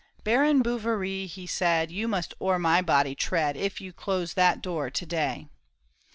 "Baron Bouverie," he said, " You must o'er my body tread, If you close that door to day."